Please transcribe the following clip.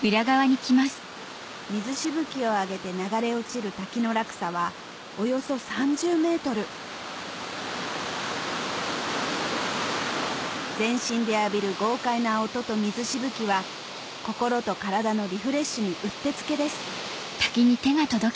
水しぶきを上げて流れ落ちる滝の落差はおよそ３０ｍ全身で浴びる豪快な音と水しぶきは心と体のリフレッシュにうってつけです